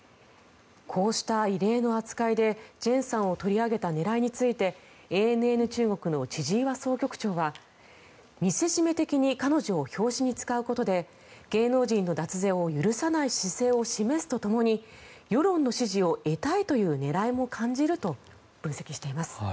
こうした異例の扱いでジェンさんを取り上げた狙いについてＡＮＮ中国の千々岩総局長は見せしめ的に彼女を表紙に使うことで芸能人の脱税を許さない姿勢を示すとともに世論の支持を得たいという狙いも感じると分析しています。